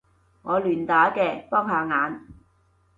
我亂打嘅，幫下眼